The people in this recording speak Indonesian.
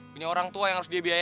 punya orang tua yang harus dia biaya